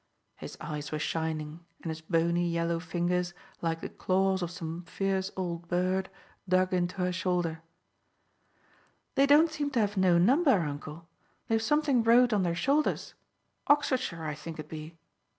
His eyes were shining and his bony yellow fingers, like the claws of some fierce old bird, dug into her shoulder. "They don't seem to have no number, uncle. They've something wrote on their shoulders. Oxfordshire, I think it be."